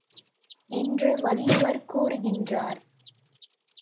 என்று வள்ளுவர் கூறுகின்றார்.